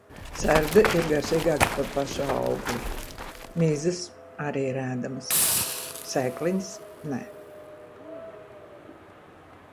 Serde gardāka par pašu augli. Mizas arī ir ēdamas. Sēkliņas ne.